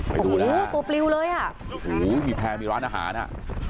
ไปดูนะฮะโอ้โฮตัวปลิวเลยอ่ะโอ้โฮมีแพรงมีร้านอาหารอ่ะ